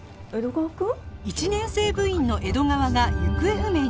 １年生部員の江戸川が行方不明に